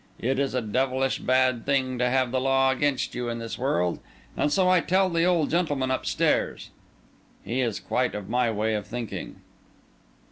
It is a devilish bad thing to have the law against you in this world, and so I tell the old gentleman upstairs. He is quite of my way of thinking."